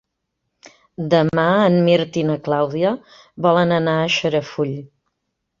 Demà en Mirt i na Clàudia volen anar a Xarafull.